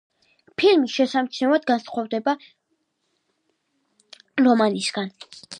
ფილმი შესამჩნევად განსხვავდება რომანისგან.